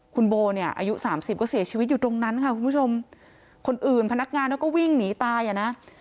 คุณโบเนี่ยอายุสามสิบก็เสียชีวิตอยู่ตรงนั้นค่ะคุณผู้ชมคนอื่นพนักงานเขาก็วิ่งหนีตายอ่ะนะ